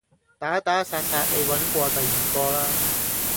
打打殺殺你搵過第二個啦